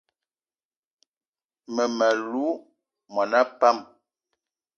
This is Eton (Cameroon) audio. Mmem- alou mona pam